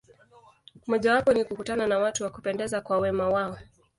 Mojawapo ni kukutana na watu wa kupendeza kwa wema wao.